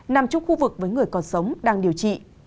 nằm trong khu vực với người còn sống đang điều trị